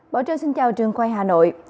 bỏ trời xin chào trường quay hà nội